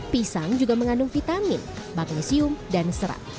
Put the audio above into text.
pisang juga mengandung vitamin magnesium dan serat